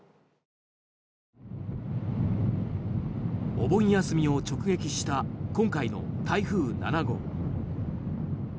お盆休みを直撃した今回の台風７号。